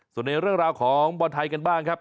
ส่วนในเรื่องราวของบอลไทยกันบ้างครับ